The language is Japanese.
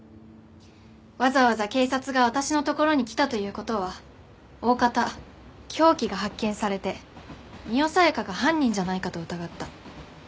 わざわざ警察が私のところに来たという事はおおかた凶器が発見されて深世小夜香が犯人じゃないかと疑った。